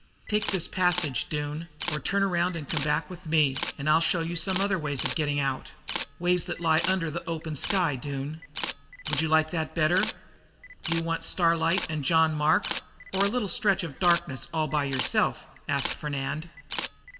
"Take this passage, Doone, or turn around and come back with me, and I'll show some other ways of getting out ways that lie under the open sky, Doone. Would you like that better? Do you want starlight and John Mark or a little stretch of darkness, all by yourself?" asked Fernand.